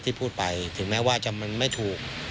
ที่พูดไปถึงแม้ว่ามันไม่ถูก